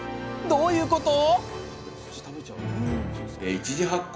どういうこと？